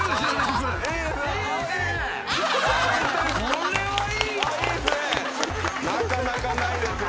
これはいいですね！